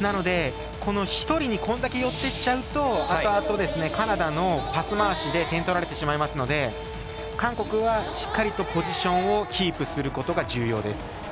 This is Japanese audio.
なので、１人にこれだけ寄っていっちゃうとあとあとカナダのパス回しで点取られてしまいますので韓国はしっかりとポジションをキープすることが重要です。